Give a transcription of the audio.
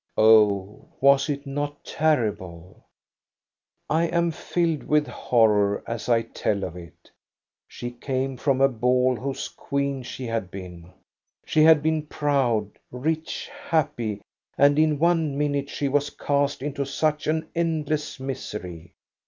Oh ! was it not terrible ? I am filled with horror as I tell of it. She came from a ball whose queen she had been ! She had been proud, rich, happy; and in one minute she was cast into such an endless misery.